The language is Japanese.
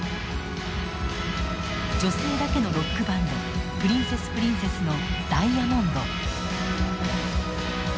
女性だけのロックバンドプリンセスプリンセスの「Ｄｉａｍｏｎｄｓ」。